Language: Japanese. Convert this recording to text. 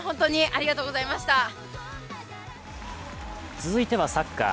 続いてはサッカー。